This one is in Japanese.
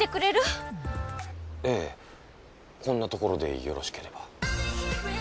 えぇこんなところでよろしければ。